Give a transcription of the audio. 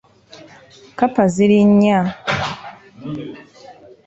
Kkapa ziri nnya .